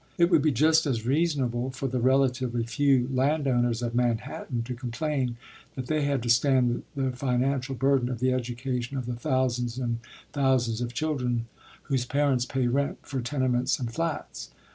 It would be just as reasonable for the relatively few land owners of Manhattan to complain that they had to stand the financial burden of the education of the thousands and thousands of children whose parents pay rent for tenements and flats.